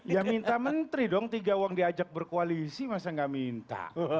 ya minta menteri dong tiga uang diajak berkoalisi masa nggak minta